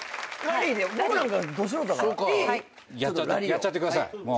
やっちゃってください。